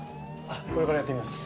これからやってみます。